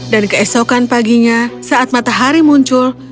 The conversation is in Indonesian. dan keesokan paginya saat matahari muncul